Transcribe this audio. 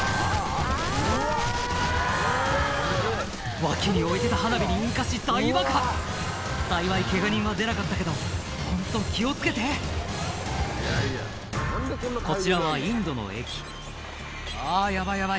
脇に置いてた花火に引火し大爆発幸いケガ人は出なかったけどホント気を付けてこちらはインドの駅「あぁヤバいヤバい